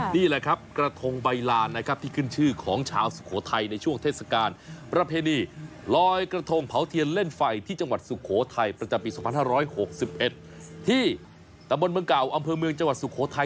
ที่ตะบนเบื้องเก่าอำเภอเมืองจังหวัดสุโขทัย